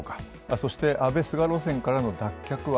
そして安倍・菅路線からの脱却は？